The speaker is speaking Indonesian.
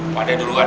pak deh duluan